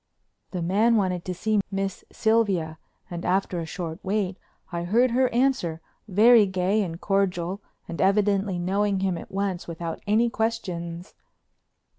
The man wanted to see Miss Sylvia and, after a short wait, I heard her answer, very gay and cordial and evidently knowing him at once without any questions.